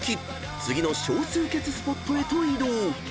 次の少数決スポットへと移動］